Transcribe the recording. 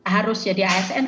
harus jadi asn